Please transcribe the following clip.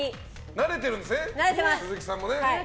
慣れてるんですね、鈴木さんも。